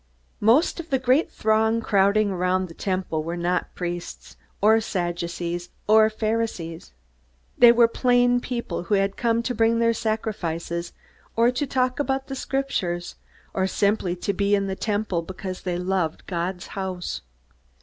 Most of the great throng crowding the Temple were not priests, or Sadducees, or Pharisees. They were plain people who had come to bring their sacrifices, or to talk about the Scriptures, or simply to be in the Temple because they loved God's house.